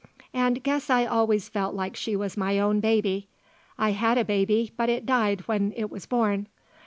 And guess I always felt like she was my own baby. I had a baby, but it died when it was born.